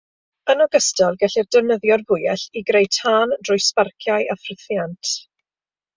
Yn ogystal, gellir defnyddio'r fwyell i greu tân drwy sbarciau a ffrithiant.